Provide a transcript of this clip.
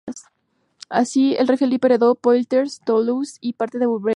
Así que el rey Felipe heredó Poitiers, Toulouse y parte de Auvernia.